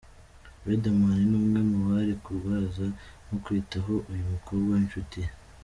Riderman ni umwe mu bari kurwaza no kwitaho uyu mukobwa w’inshuti ye.